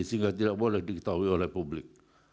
sehingga tidak boleh diketahui oleh publik